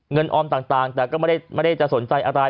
ออมต่างแต่ก็ไม่ได้จะสนใจอะไร